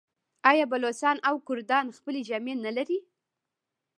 آیا بلوڅان او کردان خپلې جامې نلري؟